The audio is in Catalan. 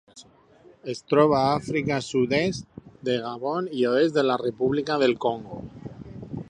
Es troba a Àfrica: sud-oest de Gabon i oest de la República del Congo.